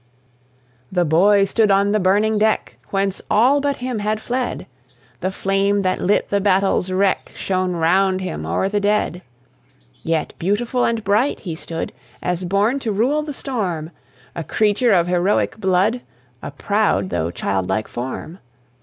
The boy stood on the burning deck, Whence all but him had fled; The flame that lit the battle's wreck Shone round him o'er the dead. Yet beautiful and bright he stood, As born to rule the storm; A creature of heroic blood, A proud though childlike form.